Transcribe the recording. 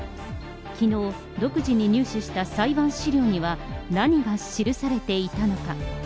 きのう、独自に入手した裁判資料には、何が記されていたのか。